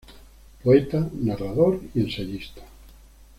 Poeta, narrador y ensayista.